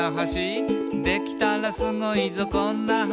「できたらスゴいぞこんな橋」